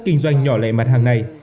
kinh doanh nhỏ lẻ mặt hàng ngày